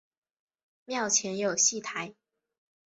庙前有戏台。